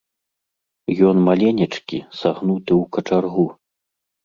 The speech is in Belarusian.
Ён маленечкі, сагнуты ў качаргу.